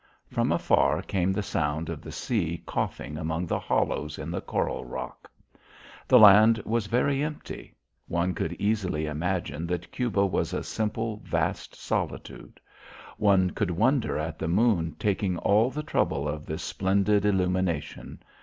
From afar came the sound of the sea coughing among the hollows in the coral rock. The land was very empty; one could easily imagine that Cuba was a simple vast solitude; one could wonder at the moon taking all the trouble of this splendid illumination.